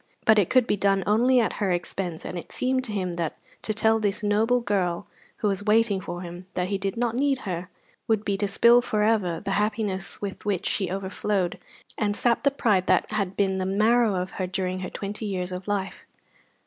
But it could be done only at her expense, and it seemed to him that to tell this noble girl, who was waiting for him, that he did not need her, would be to spill for ever the happiness with which she overflowed, and sap the pride that had been the marrow of her during her twenty years of life.